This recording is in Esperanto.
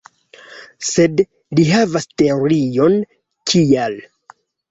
Sed li havas teorion kial.